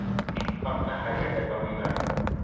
Хатта хәҙер ҙә таныйҙар.